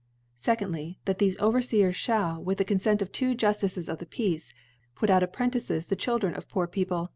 Secondly^ Steondfyy That thefe Ovcrfccn fliall, with the Cbnfent of two Juftices of the Peace, put out Apprentices the Children of poor Pco fie.